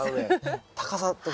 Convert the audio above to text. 高さとか。